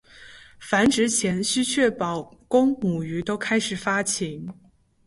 繁殖前须确保公母鱼都开始发情。